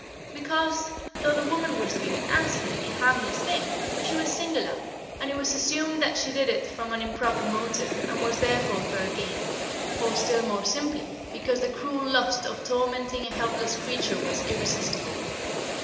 because, though the woman was doing an absolutely harmless thing, she was singular, and it was assumed that she did it from an improper motive and was therefore fair game; or still more simply, because the cruel lust of tormenting a helpless creature was irresistible.